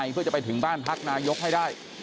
เพื่อจะไปถึงบ้านพักนายกให้ได้